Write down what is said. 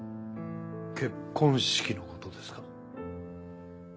結婚式のことですか？